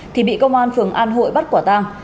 thì bị công an phường an hội bắt quả tang